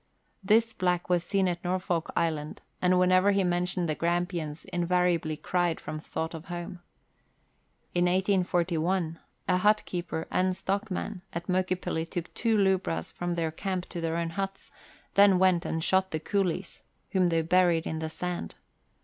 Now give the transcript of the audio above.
This black was seen at Norfolk Island, and whenever he mentioned the Grampians invariably cried from thought of home. In 1841 a hut keeper and stockman at Moke pilly took two lubras from their camp to their own huts ; then went and shot the coolies, whom they buried in the sand.